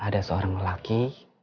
ada seorang laki